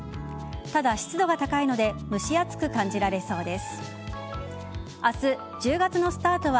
ただ、湿度が高いので蒸し暑く感じられそうです。